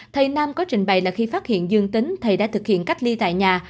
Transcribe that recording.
thầy nam có trình bày là khi phát hiện dương tính thầy đã thực hiện cách ly tại nhà